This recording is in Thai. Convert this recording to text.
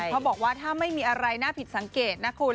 เขาบอกว่าถ้าไม่มีอะไรน่าผิดสังเกตนะคุณ